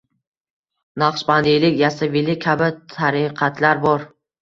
Naqshbandiylik, yassaviylik kabi tariqatlar bor.